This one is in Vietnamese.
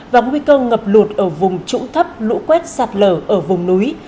và nguy cơ ngập lụt ở vùng trũng thấp lũ quét sạt lở ở vùng núi